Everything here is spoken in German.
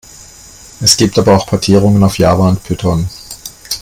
Es gibt aber auch Portierungen auf Java und Python.